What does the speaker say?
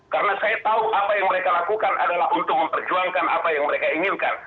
karena saya tahu apa yang mereka lakukan adalah untuk memperjuangkan apa yang mereka inginkan